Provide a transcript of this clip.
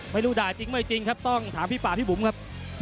ไม่รู้ด่าจริงไม่จริงครับต้องถามพี่ป่าพี่บุ๋มครับ